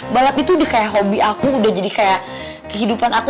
balap itu udah kayak hobi aku udah jadi kayak kehidupan aku